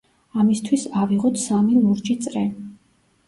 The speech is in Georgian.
ამისთვის ავიღოთ სამი ლურჯი წრე.